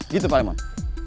gitu pak raymond